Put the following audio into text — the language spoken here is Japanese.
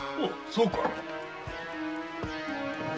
そうか。